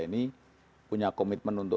ini punya komitmen untuk